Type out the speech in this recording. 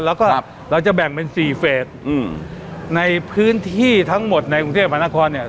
แล้วก็เราจะแบ่งเป็นสี่เฟสอืมในพื้นที่ทั้งหมดในกรุงเทพมหานครเนี่ย